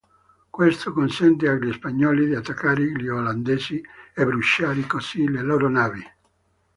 Questo consentì agli spagnoli di attaccare gli olandesi e bruciare così le loro navi.